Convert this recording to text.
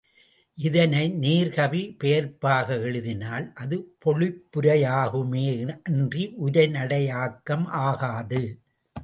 இதனை நேர் கவி பெயர்ப்பாக எழுதினால் அது பொழிப்புரையாகுமே அன்றி உரை நடையாக்கம் ஆகாது.